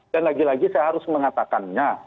dan lagi lagi saya harus mengatakannya